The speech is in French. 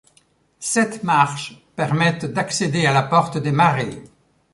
Sept marches permettent d'accéder à la porte des marées.